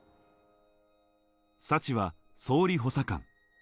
サチは総理補佐官。